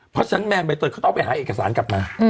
เพราะฉะนั้นแมนใบเตยเขาต้องไปหาเอกสารกลับมา